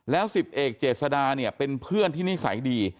แล้ว๑๐เอกเจษดาเนี่ยเป็นเพื่อนที่นิสัยดี